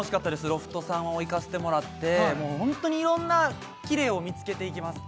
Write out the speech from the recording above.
ロフトさんを行かせてもらってはいホントに色んなキレイを見つけていきます